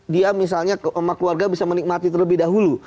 dia misalnya sama keluarga bisa menikmati terlebih dahulu